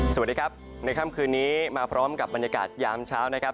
สวัสดีครับในค่ำคืนนี้มาพร้อมกับบรรยากาศยามเช้านะครับ